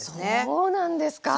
そうなんですか。